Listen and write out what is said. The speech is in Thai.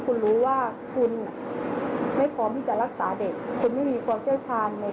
ก็จอดอยู่ด้านหน้าแล้วรถหนูก็มีขอให้ไปส่ง